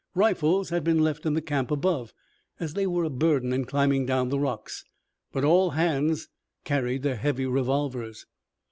Rifles had been left in the camp above, as they were a burden in climbing down the rocks. But all hands carried their heavy revolvers.